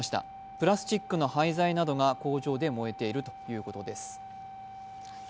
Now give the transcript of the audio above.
プラスチックの廃材などが工場で燃えているということです。